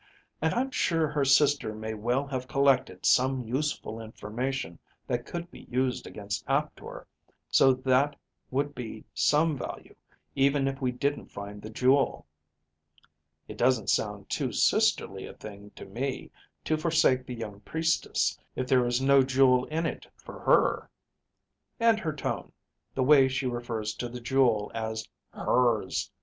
And I'm sure her sister may well have collected some useful information that could be used against Aptor, so that would be some value even if we didn't find the jewel. It doesn't sound too sisterly a thing to me to forsake the young priestess if there is no jewel in it for her. And her tone, the way she refers to the jewel as hers.